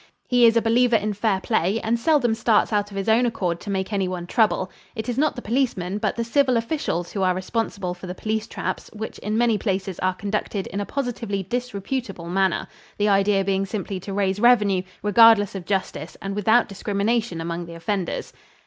He is a believer in fair play and seldom starts out of his own accord to make anyone trouble. It is not the policeman, but the civil officials who are responsible for the police traps which in many places are conducted in a positively disreputable manner, the idea being simply to raise revenue regardless of justice and without discrimination among the offenders.